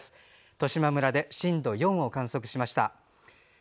十島村で震度４を観測しました。